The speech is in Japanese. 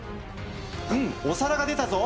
うんお皿が出たぞ